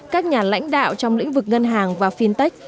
các nhà lãnh đạo trong lĩnh vực ngân hàng và fintech